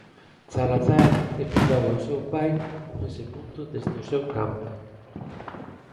Zalazar emulou ao seu pai con este punto desde o seu campo.